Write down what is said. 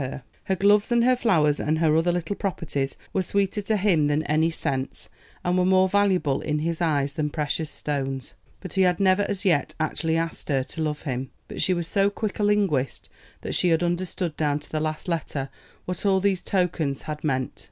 Her gloves, and her flowers, and her other little properties were sweeter to him than any scents, and were more valuable in his eyes than precious stones. But he had never as yet actually asked her to love him. But she was so quick a linguist that she had understood down to the last letter what all these tokens had meant.